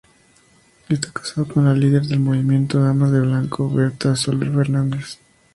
Está casado con la líder del movimiento Damas de Blanco, Berta Soler Fernández.